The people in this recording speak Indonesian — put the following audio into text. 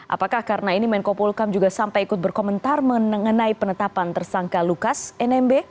apakah karena ini menko polkam juga sampai ikut berkomentar mengenai penetapan tersangka lukas nmb